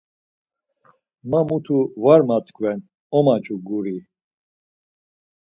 Ma mutu var matkven omaç̌u guri.